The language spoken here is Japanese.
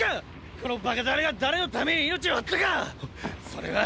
このバカタレが誰のために命を張ったか⁉それは！！